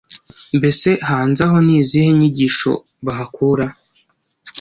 Mbese hanze aho ni izihe nyigisho bahakura?